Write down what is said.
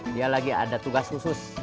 dia lagi ada tugas khusus